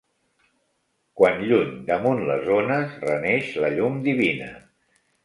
Quan lluny, damunt les ones, renaix la llum divina